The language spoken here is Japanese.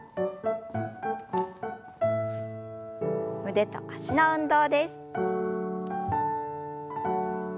腕と脚の運動です。